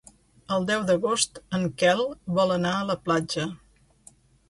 El deu d'agost en Quel vol anar a la platja.